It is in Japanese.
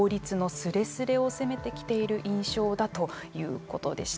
法律のスレスレを攻めてきている印象だということでした。